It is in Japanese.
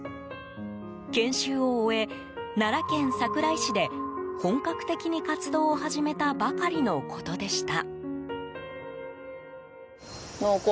研修を終え、奈良県桜井市で本格的に活動を始めたばかりのことでした。